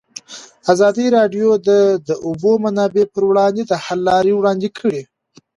ازادي راډیو د د اوبو منابع پر وړاندې د حل لارې وړاندې کړي.